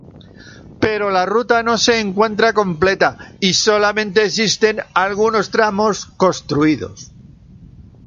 Pero la Ruta no se encuentra completa y solamente existen algunos tramos construidos.